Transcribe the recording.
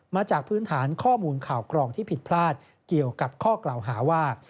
มาจากพื้นฐานข้อมูลข่าวกรองที่ผิดพลาดเกี่ยวกับข้อกล่าวหาว่า